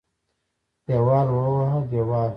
دېوال ووهه دېوال.